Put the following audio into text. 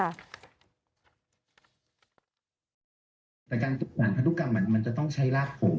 แต่การอ่านพันธุกรรมมันจะต้องใช้รากผม